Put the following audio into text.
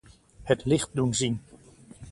Het licht doen zien.